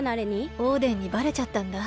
オーデンにバレちゃったんだ。